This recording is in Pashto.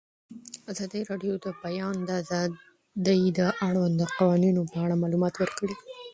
ازادي راډیو د د بیان آزادي د اړونده قوانینو په اړه معلومات ورکړي.